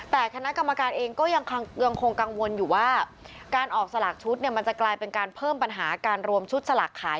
แต่คณะกรรมการเองก็ยังคงกังวลอยู่ว่าการออกสลากชุดเนี่ยมันจะกลายเป็นการเพิ่มปัญหาการรวมชุดสลากขาย